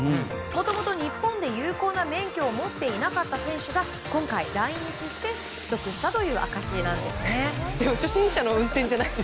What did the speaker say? もともと日本で、有効な免許を持っていなかった選手が今回、来日して取得したという証しなんです。